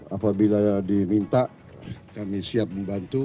apabila diminta kami siap membantu